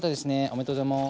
おめでとうございます。